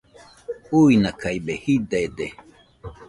Uinakaibe jidede